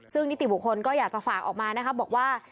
ซึ่งนิติบุคคลก็อยากจะฝากออกมานะครับบอกว่า